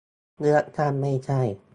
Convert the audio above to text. เลือกตั้งไม่ใช่